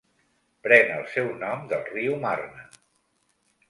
Pren el seu nom del riu Marne.